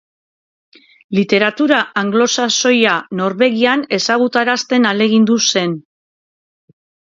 Literatura anglosaxoia Norvegian ezagutarazten ahalegindu zen.